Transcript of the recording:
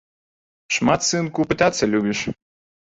Шмат, сынку, пытацца любіш.